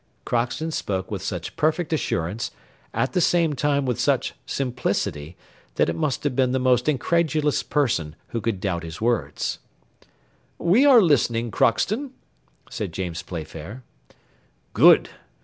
Crockston spoke with such perfect assurance, at the same time with such simplicity, that it must have been the most incredulous person who could doubt his words. "We are listening, Crockston," said James Playfair. "Good!